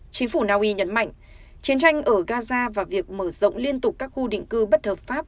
chính phủ naui nhấn mạnh chiến tranh ở gaza và việc mở rộng liên tục các khu định cư bất hợp pháp